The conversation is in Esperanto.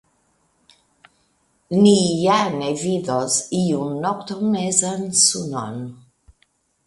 Ni ja ne vidos iun noktomezan sunon.